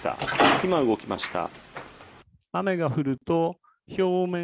今、動きましたね。